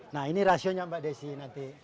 nah ini rasionya mbak desi nanti